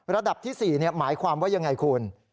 ระดับที่๔หมายความว่ายังไงคุณ